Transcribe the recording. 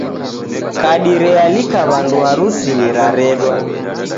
Kadi realika w'andu harusinyi raredwa